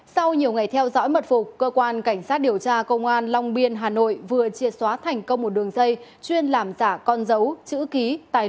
sau nhiều ngày theo dõi mật phục cơ quan cảnh sát điều tra công an long biên hà nội vừa triệt xóa thành công một đường dây chuyên làm giả con dấu chữ ký